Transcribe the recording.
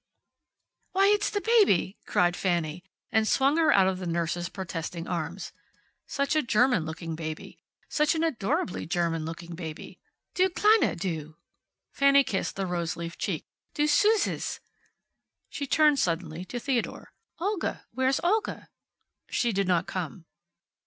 "Why it's the baby!" cried Fanny, and swung her out of the nurse's protesting arms. Such a German looking baby. Such an adorably German looking baby. "Du kleine, du!" Fanny kissed the roseleaf cheek. "Du suszes " She turned suddenly to Theodore. "Olga where's Olga?" "She did not come."